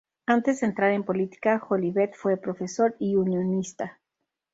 Antes de entrar en política, Jolivet fue profesor y unionista.